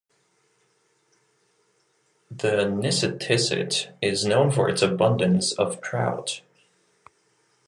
The Nissitissit is known for its abundance of trout.